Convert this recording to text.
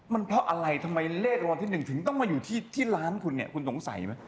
มันเพราะอะไรทำไมเลขรางวัลที่๑ถึงต้องมาอยู่ที่ร้านคุณเนี่ยคุณสงสัยไหม